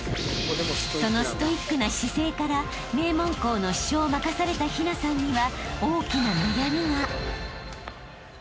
［そのストイックな姿勢から名門校の主将を任された陽奈さんには］